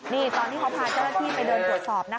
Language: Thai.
นี่ตอนที่เขาพาเจ้าหน้าที่ไปเดินตรวจสอบนะคะ